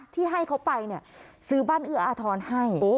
ที่ให้เขาไปเนี่ยซื้อบ้านเอื้ออาทรให้